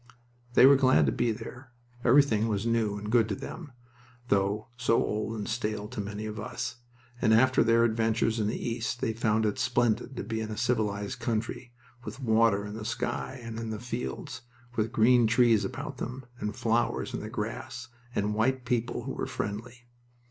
They were glad to be there. Everything was new and good to them (though so old and stale to many of us), and after their adventures in the East they found it splendid to be in a civilized country, with water in the sky and in the fields, with green trees about them, and flowers in the grass, and white people who were friendly.